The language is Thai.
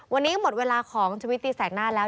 วันนี้หมดเวลาของชุวิตตีแสกหน้าแล้ว